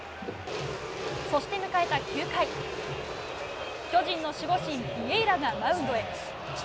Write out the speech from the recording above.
そして迎えた９回、巨人の守護神ビエイラがマウンドへ。